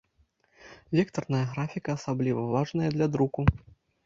Вектарная графіка асабліва важная для друку.